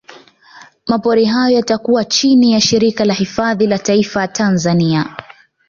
Mapori hayo yatakuwa chini ya Shirika la Hifadhi za Taifa Tanzania